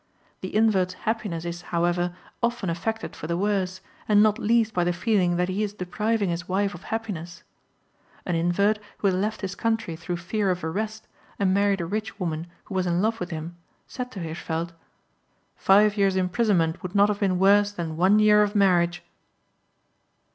The invert's happiness is, however, often affected for the worse, and not least by the feeling that he is depriving his wife of happiness. An invert, who had left his country through fear of arrest and married a rich woman who was in love with him, said to Hirschfeld: "Five years' imprisonment would not have been worse than one year of marriage."